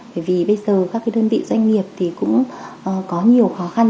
bởi vì bây giờ các cái đơn vị doanh nghiệp thì cũng có nhiều khó khăn